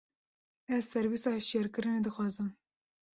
Ez servîsa hişyarkirinê dixwazim.